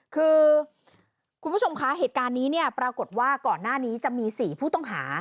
คือคุณผู้ชมคะเหตุการณ์นี้เนี่ยปรากฏว่าก่อนหน้านี้จะมี๔ผู้ต้องหา